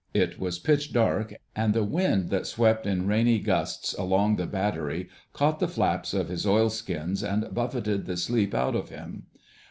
It was pitch dark, and the wind that swept in rainy gusts along the battery caught the flaps of his oilskins and buffeted the sleep out of him.